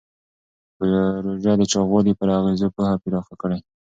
پروژه د چاغوالي پر اغېزو پوهه پراخه کړې.